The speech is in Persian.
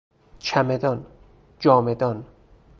چمدان، جامهدان